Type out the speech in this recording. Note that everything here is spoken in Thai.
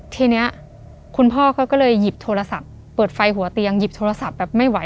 ทีนี้คุณพ่อเขาก็เลยหยิบโทรศัพท์เปิดไฟหัวเตียงหยิบโทรศัพท์แบบไม่ไหว